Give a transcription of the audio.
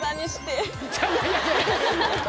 いやいやいや。